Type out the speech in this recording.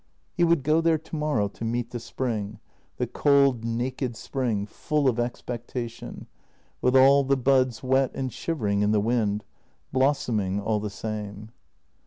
He would go there tomorrow to meet the spring, the cold, naked spring, full of expectation, with all the buds wet and shivering in the wind — blossoming all the same.